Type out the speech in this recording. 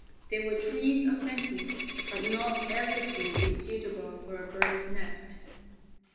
There were trees aplenty, but not every tree is suitable for a bird's nest.